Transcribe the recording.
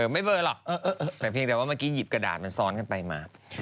ไม่เบลอหรอกแต่ว่าเมื่อกี้หยิบกระดาษมันซ้อนกันไปมา